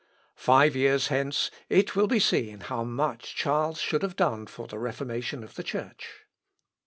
Five years hence it will be seen how much Charles shall have done for the reformation of the Church."